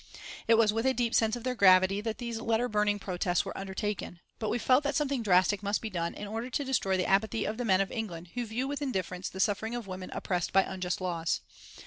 It was with a deep sense of their gravity that these letter burning protests were undertaken, but we felt that something drastic must be done in order to destroy the apathy of the men of England who view with indifference the suffering of women oppressed by unjust laws.